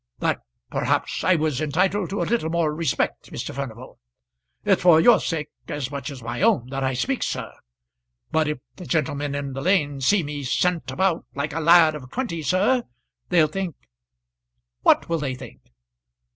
"That perhaps I was entitled to a little more respect, Mr. Furnival. It's for your sake as much as my own that I speak, sir; but if the gentlemen in the Lane see me sent about like a lad of twenty, sir, they'll think " "What will they think?"